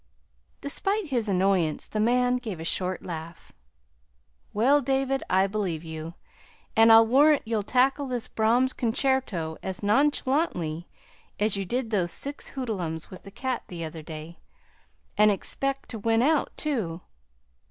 Despite his annoyance, the man gave a short laugh. "Well, David, I believe you. And I'll warrant you'd tackle this Brahms concerto as nonchalantly as you did those six hoodlums with the cat the other day and expect to win out, too!"